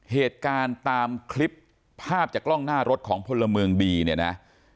เหตุการณ์ตามคลิปภาพจากกล้องหน้ารถของพลเมืองดีเนี่ยนะ